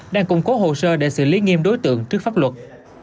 đang củng cố hồ sơ để xử lý nghiêm đối tượng trước pháp luật